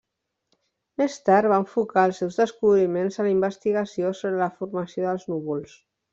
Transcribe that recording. Més tard va enfocar els seus descobriments a la investigació sobre la formació dels núvols.